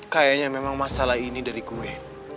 kayaknya memang masalah ini dari gue